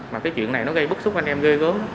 mà cái chuyện này nó gây bức xúc anh em ghê gớm